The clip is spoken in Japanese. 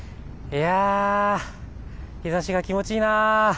日ざしが気持ちいいな。